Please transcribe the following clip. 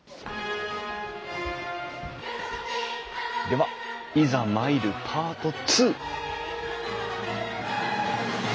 ではいざ参るパート２！